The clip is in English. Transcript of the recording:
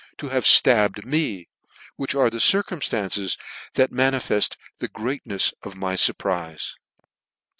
to have (tabbed me : which are circumllances that manifeil the greatnefs of my furprife.